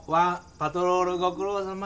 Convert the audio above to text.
パトロールごくろうさま。